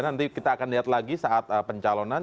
nanti kita akan lihat lagi saat pencalonan